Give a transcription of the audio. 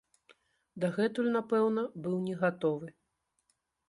Дагэтуль, напэўна, быў негатовы.